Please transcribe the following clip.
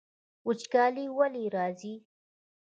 وچکالي ولې راځي؟